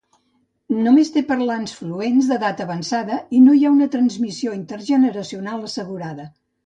Només té parlants fluents d'edat avançada i no hi ha una transmissió intergeneracional assegurada.